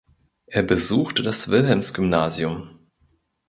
Er besuchte das Wilhelmsgymnasium.